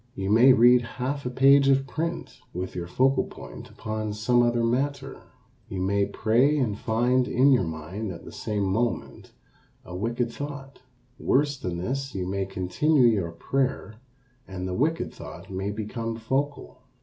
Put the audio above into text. You may read half a page of print with your focal point upon some other matter. You may pray and find in your mind at the same moment a wicked thought. Worse than this, you may continue your prayer and the wicked thought may become focal.